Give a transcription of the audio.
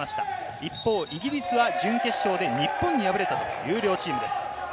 一方、イギリスは準決勝で日本に敗れたという両チームです。